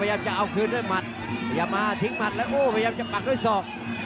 พยายามจะเอาคืนด้วยหมัดพยายามมาทิ้งหมัดแล้วโอ้พยายามจะปักด้วยศอก